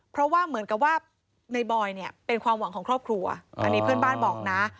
เพราะว่าเหมือนกับว่าในบอยเนี่ยเป็นความหวังของครอบครัวอันนี้เพื่อนบ้านบอกนะ